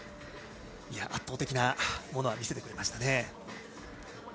圧倒的なものを見せてくれました。